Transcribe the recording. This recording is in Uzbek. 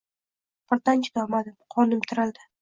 Birdan chidolmadim, qonim tirildi.